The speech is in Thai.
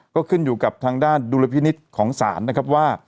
ก็ขึ้นอยู่กับทางด้านดุลพินิษฐ์ของศาลนะครับว่า